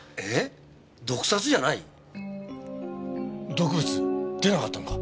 毒物出なかったのか？